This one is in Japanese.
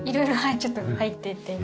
ちょっと入ってて。